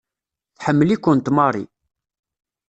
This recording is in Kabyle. Tḥemmel-ikent Mary.